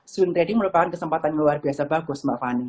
swing trading merupakan kesempatan yang luar biasa bagus mbak fani